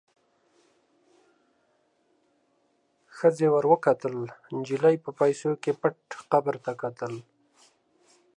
ښخې ور وکتل، نجلۍ په پیسو کې پټ قبر ته کتل.